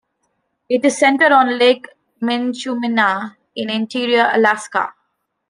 It is centered on Lake Minchumina in Interior Alaska.